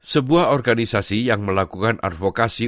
sebuah organisasi yang melakukan advokasi